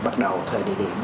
bắt đầu thuê địa điểm